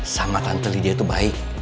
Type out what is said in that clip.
sama tante lydia tuh baik